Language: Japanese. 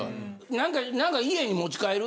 なんか家に持ち帰る？